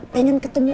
pengen ketemu lu